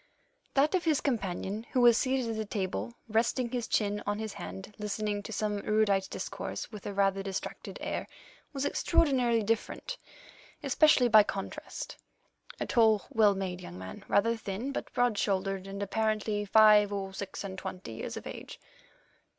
That of his companion who was seated at the table, his chin resting on his hand, listening to some erudite discourse with a rather distracted air, was extraordinarily different, especially by contrast. A tall well made young man, rather thin, but broad shouldered, and apparently five or six and twenty years of age.